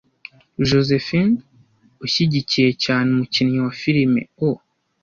Josephine ushyigikiye cyane umukinnyi wa filime O